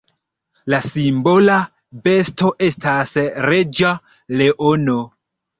La simbola besto estas reĝa leono.